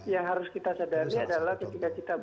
yang harus kita sadari adalah ketika kita